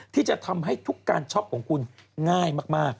ที่จะทำให้ทุกการช็อปของคุณง่ายมาก